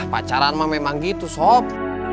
pacaran memang gitu sob